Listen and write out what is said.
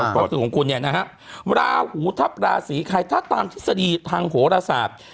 ความสูญของคุณเนี่ยนะฮะลาหูทับลาสีใครถ้าตามทศิษย์ทางโหระสาป